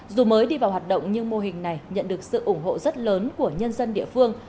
dù mới đi vào hoạt động nhưng mô hình này nhận được sự ủng hộ rất lớn của nhân dân địa phương